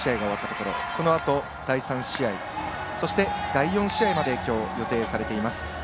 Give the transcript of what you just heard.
このあと第３試合そして、第４試合まできょう、予定されています。